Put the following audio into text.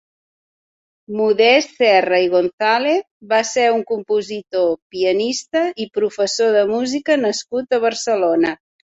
Modest Serra i Gonzàlez va ser un compositor, pianista i professor de música nascut a Barcelona.